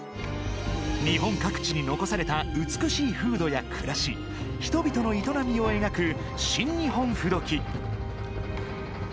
日本各地に残された美しい風土や暮らし人々の営みを描く「新日本風土記」。